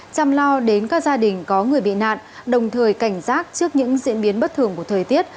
chăm lo đến các gia đình có người bị nạn đồng thời cảnh giác trước những diễn biến bất thường của thời tiết